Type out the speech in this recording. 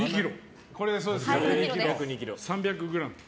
３００ｇ。